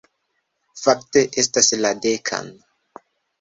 Fakte, estas la dekan...